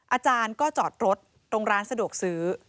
อาจารย์ก็จอดรถตรงร้านสะดวกซื้อ